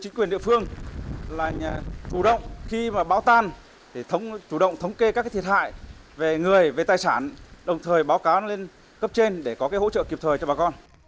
chủ động khi mà báo tan chủ động thống kê các thiệt hại về người về tài sản đồng thời báo cáo lên cấp trên để có hỗ trợ kịp thời cho bà con